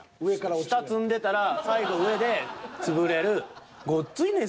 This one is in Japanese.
下積んでたら最後上で潰れる。